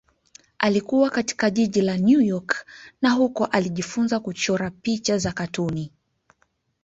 Alikua katika jiji la New York na huko alijifunza kuchora picha za katuni.